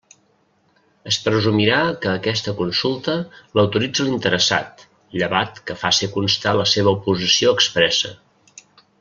Es presumirà que aquesta consulta l'autoritza l'interessat, llevat que faci constar la seva oposició expressa.